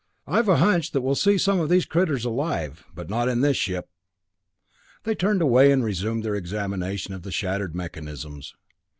"I've a hunch that we'll see some of these critters alive but not in this ship!" They turned away and resumed their examination of the shattered mechanisms.